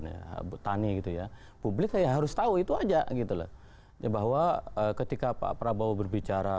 ya bu tani gitu ya publik saya harus tahu itu aja gitu loh ya bahwa ketika pak prabowo berbicara